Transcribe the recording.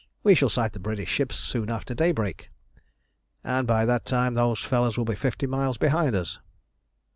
We shall sight the British ships soon after daybreak, and by that time those fellows will be fifty miles behind us."